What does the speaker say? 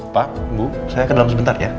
pak bu saya ke dalam sebentar ya